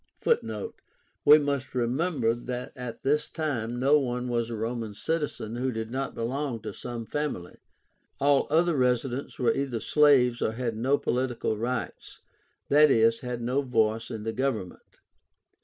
(Footnote: We must remember that at this time no one was a Roman citizen who did not belong to some family. All other residents were either slaves or had no political rights, i.e. had no voice in the government.)